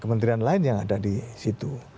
kementerian lain yang ada di situ